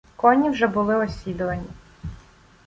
Коні вже були осідлані.